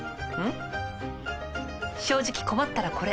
正直困ったらこれ。